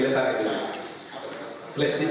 data yang ada di flash disk